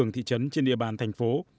thị trấn trên địa bàn thành phố